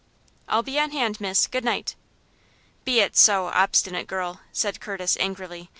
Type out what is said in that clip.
"I'll be on hand, miss. Good night!" "Be it so, obstinate girl!" said Curtis, angrily.